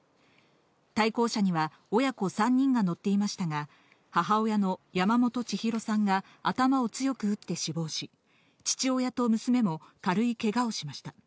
対向車には親子３人が乗っていましたが、母親の山本ちひろさんが頭を強く打って死亡し、父親と娘も軽いけがをしました。